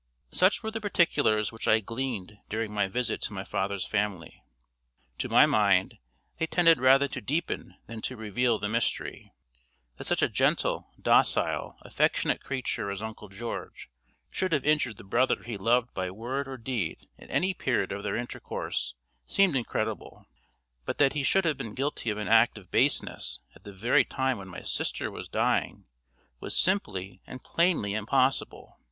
Such were the particulars which I gleaned during my visit to my father's family. To my mind, they tended rather to deepen than to reveal the mystery. That such a gentle, docile, affectionate creature as Uncle George should have injured the brother he loved by word or deed at any period of their intercourse, seemed incredible; but that he should have been guilty of an act of baseness at the very time when my sister was dying was simply and plainly impossible.